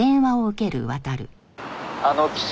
「あの記者